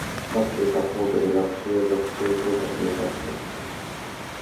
各種サポートで学習や学生生活をバックアップ